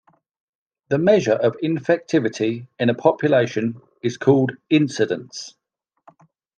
The measure of infectivity in a population is called incidence.